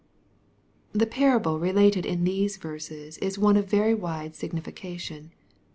The parable related in these verses is one of very wide signification.